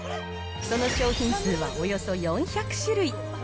その商品数はおよそ４００種類。